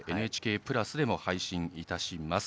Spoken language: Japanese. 「ＮＨＫプラス」でも配信いたします。